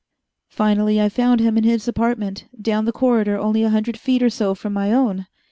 Finally I found him in his apartment, down the corridor only a hundred feet or so from my own.